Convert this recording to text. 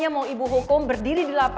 kamu lihat sendiri tadi di situ